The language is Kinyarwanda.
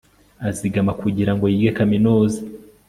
azigama kugirango yige kaminuza